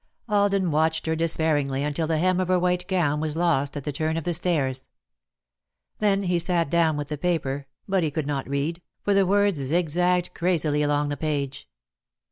Alden watched her despairingly until the hem of her white gown was lost at the turn of the stairs. Then he sat down with the paper, but he could not read, for the words zig zagged crazily along the page.